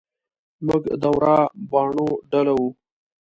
موږ د ورا باڼو ډله وو.